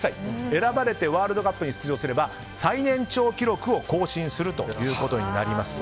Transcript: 選ばれてワールドカップに出場すれば最年長記録を更新することになります。